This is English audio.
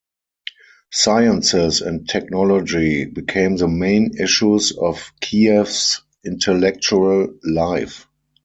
Sciences and technology became the main issues of Kiev's intellectual life.